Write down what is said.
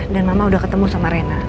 dan mama udah ketemu sama rena